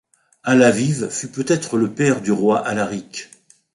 Alaviv fut peut-être le père du roi Alaric.